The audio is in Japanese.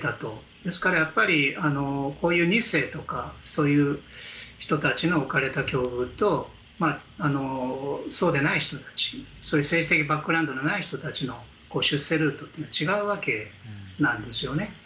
ですから、やっぱりこういう２世たちの置かれた境遇とそうでない人たち政治的バックグラウンドがない人たちの出世ルートは違うわけなんですね。